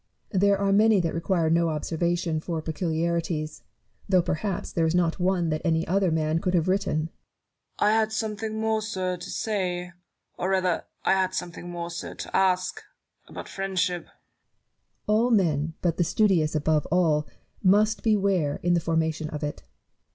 Barrow. There are many that require no observation for peculiarities ; though perhaps there is not one that any other man could have written. Newton. I had something more, sir, to say — or rather — I had something more, sir, to ask — about Friendship. Barrow. All men, but the studious above all, must beware in the foi'mation of it.